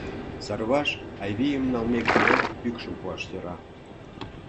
Сарваш Айвийым налмек гына пӱкшым пуаш сӧра.